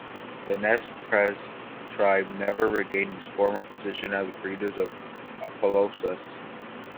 The Nez Perce tribe never regained its former position as breeders of Appaloosas.